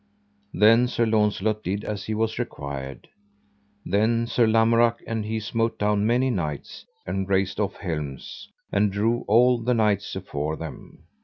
Then Sir Launcelot did as he was required. Then Sir Lamorak and he smote down many knights, and raced off helms, and drove all the knights afore them.